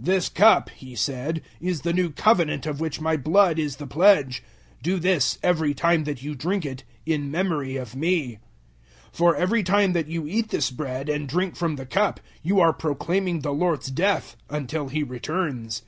"This cup," He said, "is the new Covenant of which my blood is the pledge. Do this, every time that you drink it, in memory of me." 011:026 For every time that you eat this bread and drink from the cup, you are proclaiming the Lord's death until He returns.